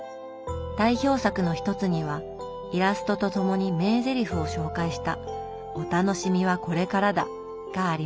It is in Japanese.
代表作の一つにはイラストとともに名ゼリフを紹介した「お楽しみはこれからだ」があります。